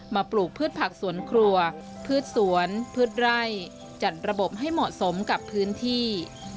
ปลูกพืชผักสวนครัวพืชสวนพืชไร่จัดระบบให้เหมาะสมกับพื้นที่